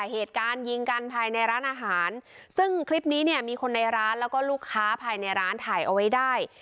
เหตุการณ์ยิงกันภายในร้านอาหารซึ่งคลิปนี้เนี่ยมีคนในร้านแล้วก็ลูกค้าภายในร้านถ่ายเอาไว้ได้